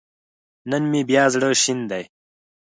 نن مې بيا زړه شين دی